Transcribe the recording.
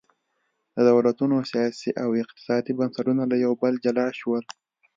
د دولتونو سیاسي او اقتصادي بنسټونه له یو بل جلا شول.